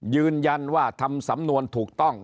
ยืนยันว่าทำสำนวนถูกต้อง